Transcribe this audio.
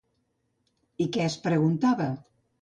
I què es preguntava?